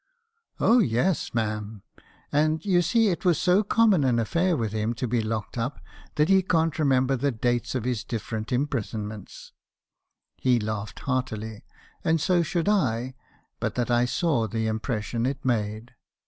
"'Oh, yes, ma'am; and you see it was so common an affair with him to be locked up that he can't remember the dates of his different imprisonments.' " He laughed heartily ; and so should I , but that I saw the impression it made.